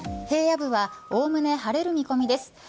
平野部はおおむね晴れる見込みです。